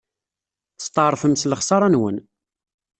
Testeɛṛfem s lexṣara-nwen.